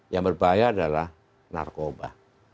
yang berbahaya adalah narkoba